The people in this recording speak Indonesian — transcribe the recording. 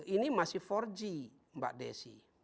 ini masih empat g mbak desi